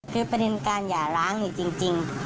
คือประเด็นการหย่าล้างนี่จริง